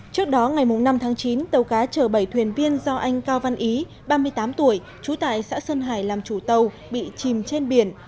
trước đó ngày năm tháng chín tàu cá chở bảy thuyền viên do anh cao văn ý ba mươi tám tuổi trú tại xã sơn hải làm chủ tàu bị chìm trên biển